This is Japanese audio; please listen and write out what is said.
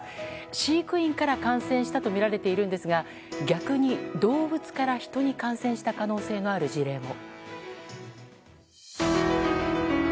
飼育員から感染したとみられているんですが逆に動物から人に感染した可能性のある事例も。